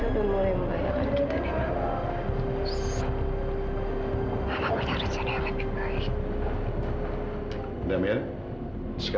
kemurungan kita memang